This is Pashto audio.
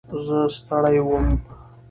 زه ستړی وم.